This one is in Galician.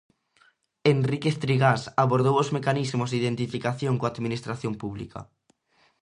Enríquez Trigás abordou os Mecanismos de identificación coa administración pública.